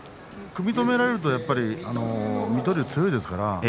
組み止められると水戸龍強いですから。